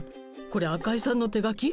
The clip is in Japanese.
これ赤井さんの手書き？